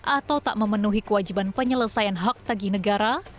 atau tak memenuhi kewajiban penyelesaian hak tagih negara